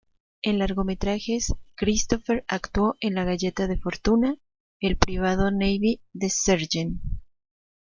En largometrajes, Christopher actuó en "La Galleta de Fortuna", "El Privado Navy de" Sgt.